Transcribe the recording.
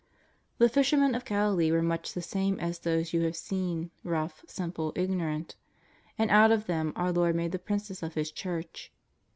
The fishermen of Galilee were much the same as those you have seen, rough, simple, ignorant. And out of them our Lord made the Princes of His Church.